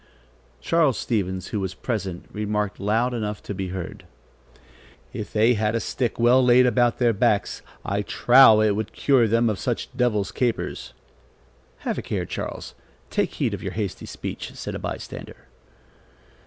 Charles Stevens, who was present, remarked, loud enough to be heard: "If they had a stick well laid about their backs, I trow it would cure them of such devil's capers." "Have a care, Charles. Take heed of your hasty speech," said a by stander.